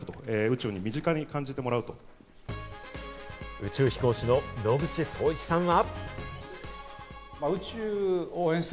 宇宙飛行士の野口聡一さんは。